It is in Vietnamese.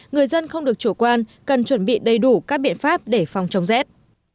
người dân không được chủ quan cần chuẩn bị đầy đủ các biện pháp để phòng chống rét